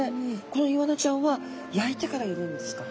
このイワナちゃんは焼いてから入れるんですか？